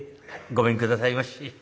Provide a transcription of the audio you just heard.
「ごめんくださいまし。